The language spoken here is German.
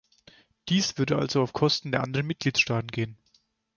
Dies würde also auf Kosten der anderen Mitgliedstaaten gehen.